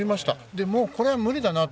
でももうこれは無理だなと。